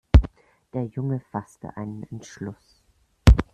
Der Junge fasste einen Entschluss.